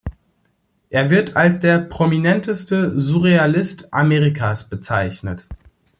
Er wird als der „prominenteste Surrealist Amerikas“ bezeichnet.